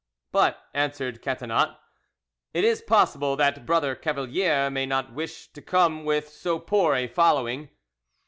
"But," answered Catinat, "it is possible that Brother Cavalier may not wish to come with so poor a following."